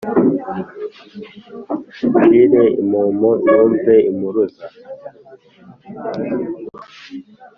Nshire impumu numve Impuruza